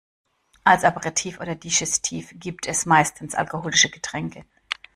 Als Aperitif oder Digestif gibt es meistens alkoholische Getränke.